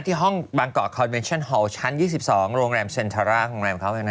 ที่ห้องบางเกาะคอนเมนชั่นฮอลชั้น๒๒โรงแรมเซ็นทร่าโรงแรมเขานะ